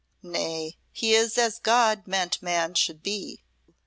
Nay, he is as God meant Man should be.'